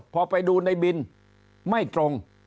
พอไปดูในบินไม่ตรง